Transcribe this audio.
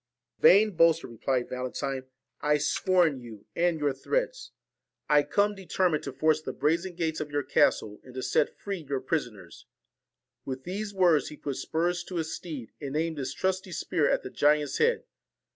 'Vain boaster,' replied Valentine, 'I scorn you 46 and your threats ! I come determined to force the VALEN brazen gates of your castle and to set free your T JNE AND prisoners.' ORSON With these words he put spurs to his steed, and aimed his trusty spear at the giant's head.